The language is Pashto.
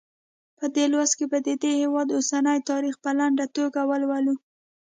په دې لوست کې به د دې هېواد اوسنی تاریخ په لنډه توګه ولولو.